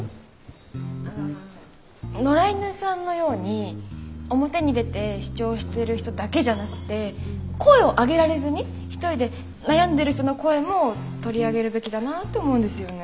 野良犬さんのように表に出て主張してる人だけじゃなくて声を上げられずに一人で悩んでる人の声も取り上げるべきだなって思うんですよね。